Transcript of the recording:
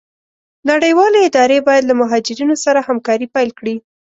نړيوالي اداري بايد له مهاجرينو سره همکاري پيل کړي.